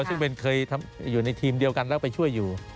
ซึ่งเคยอยู่ในทีมเดียวกันแล้วไปช่วยอยู่